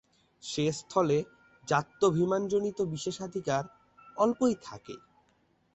সে স্থলে জাত্যভিমানজনিত বিশেষাধিকার অল্পই থাকে।